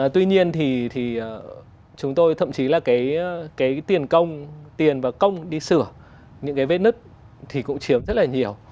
tuy nhiên thì chúng tôi thậm chí là cái tiền công tiền và công đi sửa những cái vết nứt thì cũng chiếm rất là nhiều